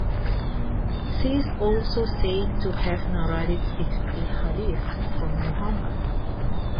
She is also said to have narrated sixty "hadith" from Muhammad.